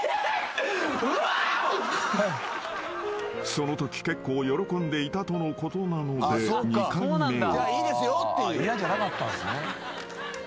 ［そのとき結構喜んでいたとのことなので２回目を］